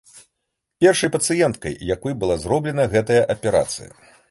Першай пацыенткай, якой была зробленая гэтая аперацыя.